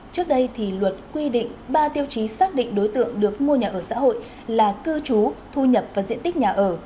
trước đây thì luật quy định ba tiêu chí xác định đối tượng được mua nhà ở xã hội là cư trú thu nhập và diện tích nhà ở